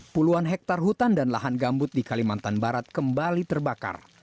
puluhan hektare hutan dan lahan gambut di kalimantan barat kembali terbakar